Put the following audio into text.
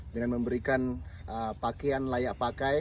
dengan memberikan pakaian layak pakai